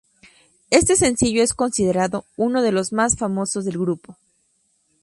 Este sencillo es considerado uno de los más famosos del grupo.